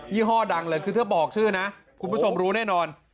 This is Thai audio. ี่ห้อดังเลยคือถ้าบอกชื่อนะคุณผู้ชมรู้แน่นอน